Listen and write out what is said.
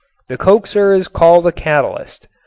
The coaxer is called a catalyst.